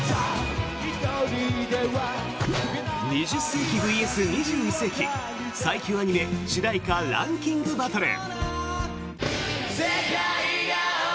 ２０世紀ＶＳ２１世紀最強アニメ主題歌ランキングバトル！